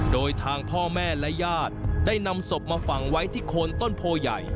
โดยทางพ่อแม่และญาติได้นำศพมาฝังไว้ที่โคนต้นโพใหญ่